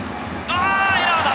エラーだ！